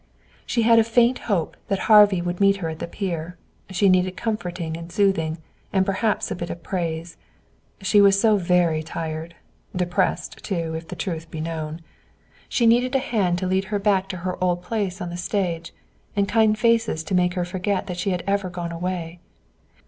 She had a faint hope that Harvey would meet her at the pier. She needed comforting and soothing, and perhaps a bit of praise. She was so very tired; depressed, too, if the truth be known. She needed a hand to lead her back to her old place on the stage, and kind faces to make her forget that she had ever gone away.